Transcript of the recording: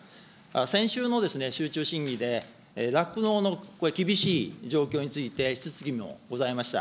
先週の集中審議で、酪農の厳しい状況について、質疑もございました。